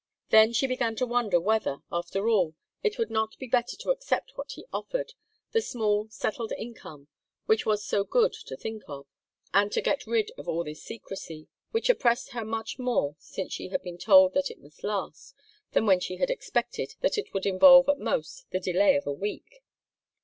Then she began to wonder whether, after all, it would not be better to accept what he offered the small, settled income which was so good to think of and to get rid of all this secrecy, which oppressed her much more since she had been told that it must last, than when she had expected that it would involve at most the delay of a week.